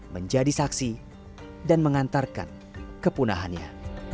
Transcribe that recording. menjadi saksi dan mengantarkan kepunahannya